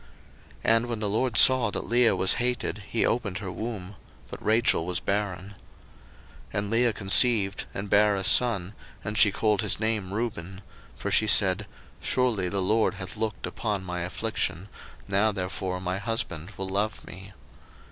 01:029:031 And when the LORD saw that Leah was hated, he opened her womb: but Rachel was barren. 01:029:032 And Leah conceived, and bare a son, and she called his name Reuben: for she said, Surely the LORD hath looked upon my affliction; now therefore my husband will love me.